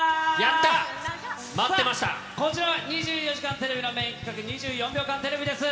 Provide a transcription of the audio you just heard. こちらは２４時間テレビのメイン企画、２４秒間テレビです。